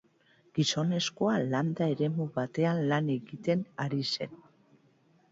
Gizonezkoa landa eremu batean lan egiten ari zen.